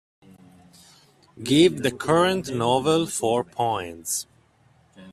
Give the current novel four points.